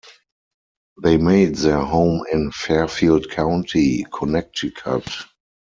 They made their home in Fairfield County, Connecticut.